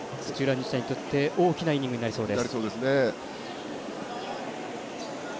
日大にとって大きなイニングになりそうです。